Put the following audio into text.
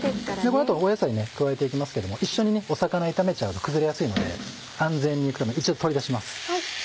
この後野菜加えていきますけども一緒に魚炒めちゃうと崩れやすいので安全にいくため一応取り出します。